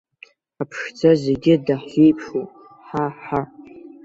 Аԥшӡа зегьы даҳзеиԥшуп, ҳа, ҳа.